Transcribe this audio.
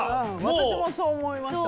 私もそう思いました。